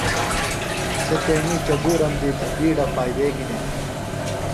سےۡ تیݨی چدُورم دی بِیڈہ فائدے گِھنینیۡ۔